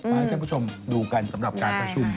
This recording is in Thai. ให้ท่านผู้ชมดูกันสำหรับการประชุม